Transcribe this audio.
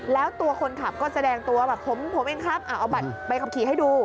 แล้วตัวคนขับก็แสดงตัวแบบผมเองครับเอาบัตรใบขับขี่ให้ดู